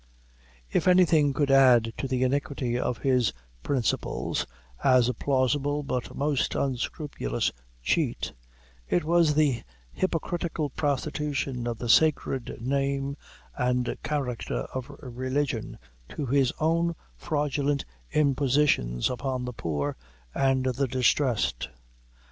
If anything could add to the iniquity of his principles, as a plausible but most unscrupulous cheat, it was the hypocritical prostitution of the sacred name and character of religion to his own fraudulent impositions upon the poor and the distressed.